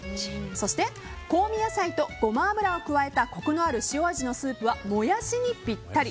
そして、香味野菜とゴマ油を加えてコクのある塩味のスープはモヤシにぴったり。